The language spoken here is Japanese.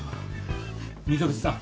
溝口さん